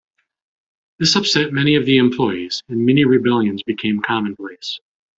This upset many of the employees, and mini-rebellions became commonplace.